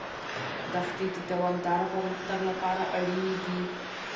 دښتې د دوامداره پرمختګ لپاره اړینې دي.